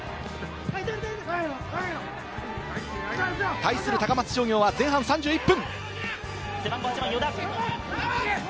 対する高松商業は前半３１分。